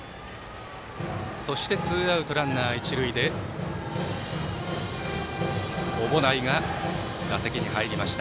そして、ツーアウトランナー、一塁で小保内が打席に入りました。